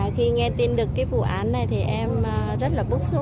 khi nghe tin được cái vụ án này thì em rất là bức xúc